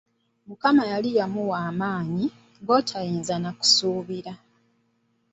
Mukama yali amuwadde amaanyi, gotayinza na kusuubira.